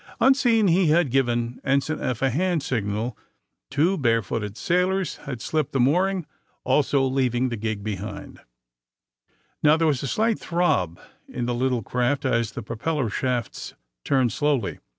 Unseen, he had given Ensign Eph a hand signal that had been readily understood. Two bare footed sailors had slipped the mooring, also leaving the gig behind. Now there was a slight throb in the little craft as the propeller shafts turned slowly.